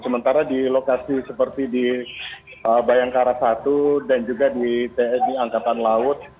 sementara di lokasi seperti di bayangkara satu dan juga di tni angkatan laut